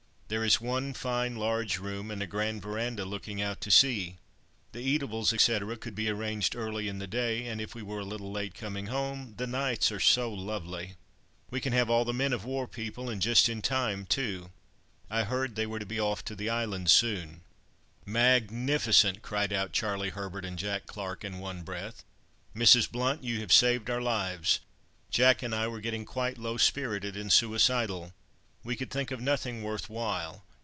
There is one fine large room, and a grand verandah looking out to sea. The eatables, etc., could be arranged early in the day, and if we were a little late coming home, the nights are so lovely. We can have all the men of war people, and just in time, too; I heard they were to be off to the islands soon." "Magnificent!" cried out Charlie Herbert and Jack Clarke in one breath. "Mrs. Blount, you have saved our lives. Jack and I were getting quite low spirited and suicidal. We could think of nothing worth while.